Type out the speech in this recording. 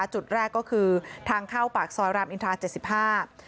จุดแรกก็คือทางเข้าปากซอยรามอินทราเจ็ดสิบห้า